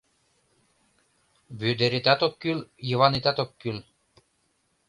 Вӧдыретат ок кӱл, Йыванетат ок кӱл